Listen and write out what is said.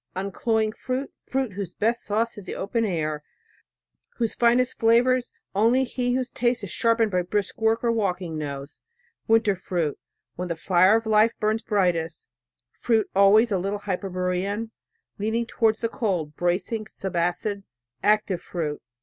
Uncloying fruit, fruit whose best sauce is the open air, whose finest flavors only he whose taste is sharpened by brisk work or walking knows; winter fruit, when the fire of life burns brightest; fruit always a little hyperborean, leaning towards the cold; bracing, sub acid, active fruit.